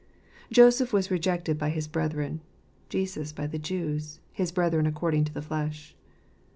Joseph was rejected by his brethren; Jesus by the Jews, his brethren according to the flesh.